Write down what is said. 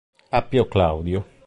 Appio Claudio